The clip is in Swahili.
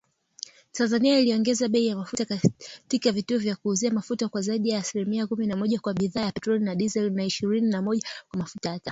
Tanzania iliongeza bei ya mafuta katika vituo vya kuuzia mafuta kwa zaidi ya asilimia kumi na moja kwa bidhaa ya petroli na dizeli, na ishirini na moja kwa mafuta ya taa